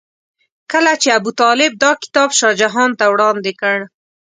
کله چې ابوطالب دا کتاب شاه جهان ته وړاندې کړ.